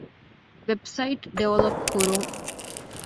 ވެބްސައިޓް ޑިވެލޮޕް ކުރުން